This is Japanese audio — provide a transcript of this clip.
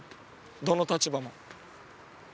どの立場も。